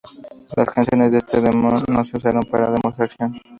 Las canciones de ese demo se usaron para demostración.